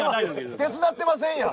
手伝ってませんやん！